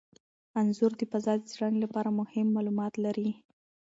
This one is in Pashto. انځور د فضا د څیړنې لپاره مهم معلومات لري.